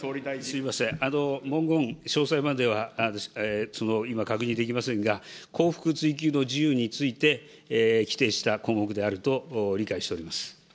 すみません、文言、詳細までは今、確認できませんが、幸福追求の自由について規定した項目であると理解しております。